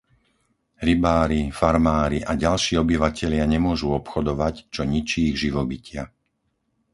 Rybári, farmári a ďalší obyvatelia nemôžu obchodovať, čo ničí ich živobytia.